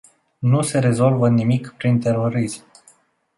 Nu se rezolvă nimic prin terorism.